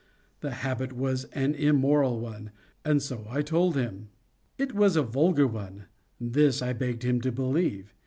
The habit was an immoral one, and so I told him. It was a vulgar one—this I begged him to believe.